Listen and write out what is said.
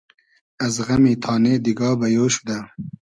از غئمی تانې دیگا بئیۉ شودۂ